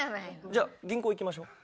じゃあ銀行行きましょう。